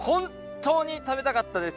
当に食べたかったです。